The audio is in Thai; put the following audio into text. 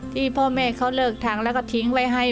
ที่พ่อแม่เขาเลิกทางแล้วก็ทิ้งไว้ให้